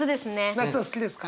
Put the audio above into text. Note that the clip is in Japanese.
夏は好きですか？